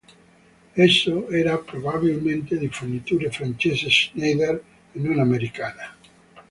Esso era probabilmente di fornitura francese Schneider e non americana.